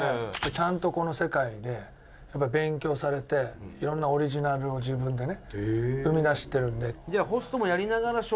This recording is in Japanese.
ちゃんとこの世界で勉強されていろんなオリジナルを自分でね、生み出してるんで。